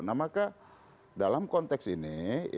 nah maka dalam konteks ini